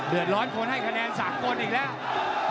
เดือดร้อนขนให้คะแนนสากกลอดอีกแล้ว